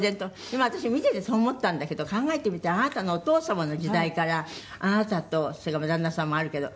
今私見ていてそう思ったんだけど考えてみたらあなたのお父様の時代からあなたとそれから旦那さんもあるけど。